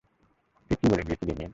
তুই কী বলে গিয়েছিলি, মিমি?